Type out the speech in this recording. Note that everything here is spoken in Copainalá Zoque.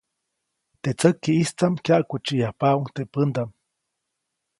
Teʼ tsäkiʼstaʼm kyaʼkutsiʼyajpaʼuŋ teʼ pändaʼm.